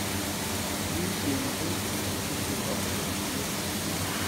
wishinze kuduhabura iwe